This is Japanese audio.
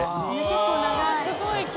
結構長い。